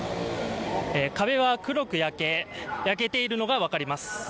壁は黒く焼けているのが分かります。